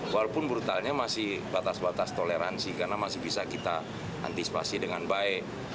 walaupun brutalnya masih batas batas toleransi karena masih bisa kita antisipasi dengan baik